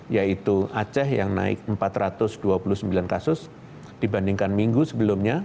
yaitu aceh yang naik empat ratus dua puluh sembilan kasus dibandingkan minggu sebelumnya